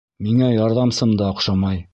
Миңә ярҙамсым да оҡшамай.